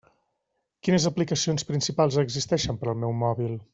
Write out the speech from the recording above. Quines aplicacions principals existeixen per al meu mòbil?